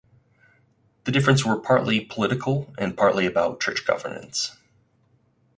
The differences were partly political and partly about church governance.